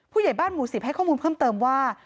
ผู้ใหญ่บ้านหมู่๑๐ให้ข้อมูลเพิ่มเติมว่า